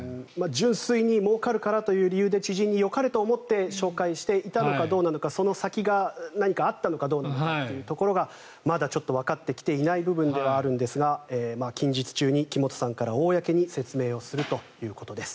純粋にもうかるからという理由で知人によかれと思って紹介していたのかどうなのかその先があったのかどうなのかというところがまだちょっとわかってきていない部分ではあるんですが近日中に木本さんから公に説明をするということです。